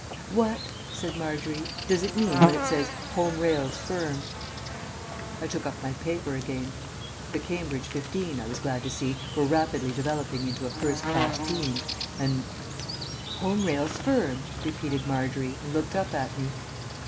"What," said Margery, "does it mean when it says 'Home Rails Firm'?" I took up my paper again. The Cambridge fifteen, I was glad to see, were rapidly developing into a first class team, and "'Home Rails Firm,'" repeated Margery, and looked up at me.